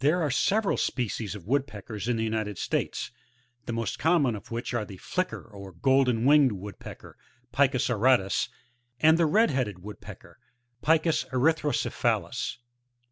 There are several species of Woodpeckers in the United States, the most common of which, are the FUcker^ or Golden Winged Woodpecker, — Picus auratus, — and Bed' Headed Wood pecker ^— Picus erythrocephahs.